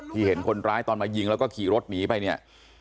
เห็นคนร้ายตอนมายิงแล้วก็ขี่รถหนีไปเนี่ย